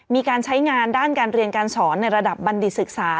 มีการใช้งานด้านการเรียนการสอนในระดับบัณฑิตศึกษา